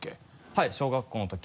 はい小学校の時。